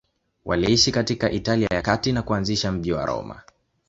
Waliishi katika Italia ya Kati na kuanzisha mji wa Roma.